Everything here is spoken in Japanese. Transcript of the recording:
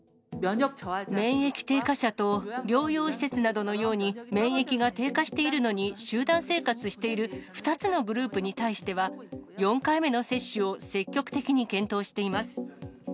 免疫低下者と療養施設などのように、免疫が低下しているのに、集団生活している２つのグループに対しては、４回目の接種を積極的に検討しています。